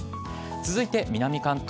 続いて南関東。